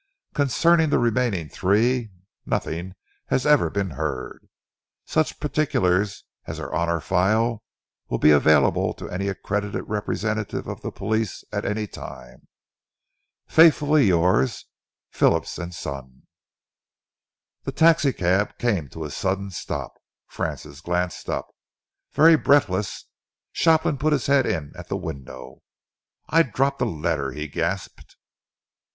Concerning the remaining three nothing has ever been heard. Such particulars as are on our file will be available to any accredited representative of the police at any time. Faithfully yours, PHILLIPS & SON. The taxicab came to a sudden stop. Francis glanced up. Very breathless, Shopland put his head in at the window. "I dropped a letter," he gasped.